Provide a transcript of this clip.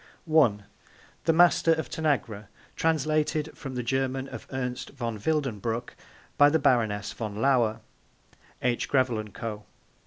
(1) The Master of Tanagra. Translated from the German of Ernst von Wildenbruch by the Baroness von Lauer. (H. Grevel and Co.)